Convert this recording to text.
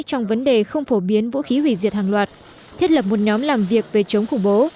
trong vấn đề không phổ biến vũ khí hủy diệt hàng loạt thiết lập một nhóm làm việc về chống khủng bố